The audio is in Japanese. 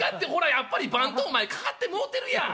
やっぱり番頭お前かかってもうてるやん。